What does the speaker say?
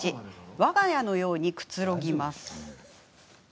わが家のようにくつろぎます。